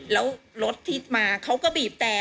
แล้วรถที่มาเขาก็บีบแต่